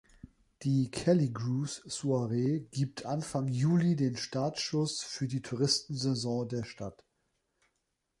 Die Kelligrews Soiree gibt Anfang Juli den Startschuss für die Touristensaison der Stadt.